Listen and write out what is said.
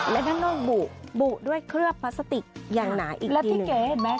แล้วทั้งนอกบุบุด้วยเครือบพลาสติกอย่างหนาอีกทีหนึ่ง